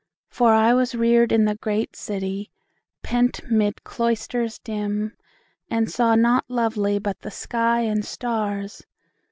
For I was reared In the great city, pent 'mid cloisters dim, And saw nought lovely but the sky and stars.